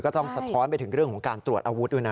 ต้องสะท้อนไปถึงเรื่องของการตรวจอาวุธด้วยนะ